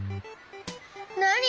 なに？